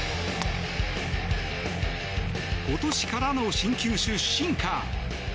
今年からの新球種シンカー。